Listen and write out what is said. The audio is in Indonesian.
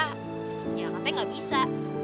katanya tidak bisa